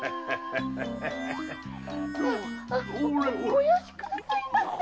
およしくださりませ。